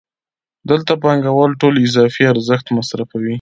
دلته پانګوال ټول اضافي ارزښت مصرفوي